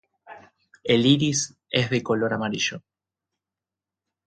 El iris es de color amarillo.